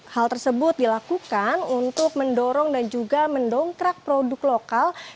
hal tersebut dilakukan untuk mendorong dan juga mendongkrak produk lokal